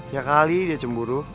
ya kali dia cemburu